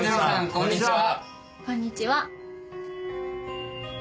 こんにちは。